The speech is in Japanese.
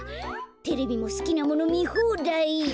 テレビもすきなものみほうだい。